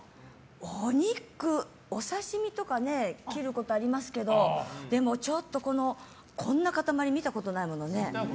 お肉お刺し身とかは切ることありますけどでも、こんな塊は見たことないのでね。